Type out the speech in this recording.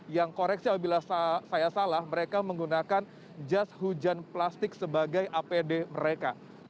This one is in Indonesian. yang koreksi apabila saya salah mereka menggunakan jas hujan plastik sebagai apd mereka